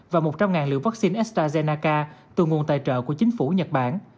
và một trăm linh liều vaccine estrazennaca từ nguồn tài trợ của chính phủ nhật bản